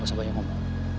gak usah banyak ngomong